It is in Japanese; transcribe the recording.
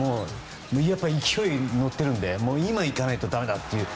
勢いに乗っているので今、行かないとだめだと。